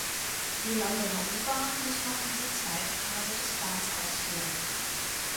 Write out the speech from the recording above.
Die Londoner U-Bahn muss noch diese zweite Phase des Plans ausführen.